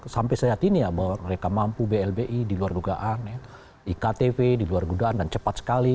sampai saat ini ya bahwa mereka mampu blbi di luar dugaan iktp di luar dugaan dan cepat sekali